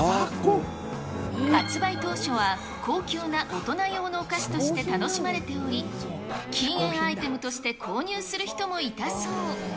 発売当初は、高級な大人用のお菓子として楽しまれており、禁煙アイテムとして購入する人もいたそう。